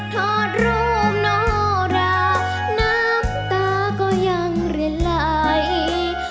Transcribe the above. ถอดรูปโนราน้ำตาก็ยังเรียนไหล